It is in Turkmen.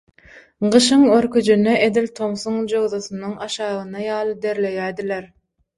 Gyşyň örküjinde edil tomusyň jöwzasnyň aşagynda ýaly derleýärdiler.